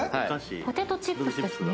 ポテトチップスですね。